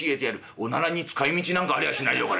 おならに使いみちなんかありゃしないよこれ。